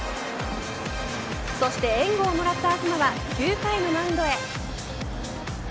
そして援護をもらった東は９回のマウンドへ。